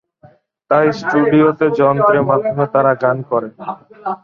তাই স্টুডিওতে যন্ত্রে মাধ্যমে তারা গান করে।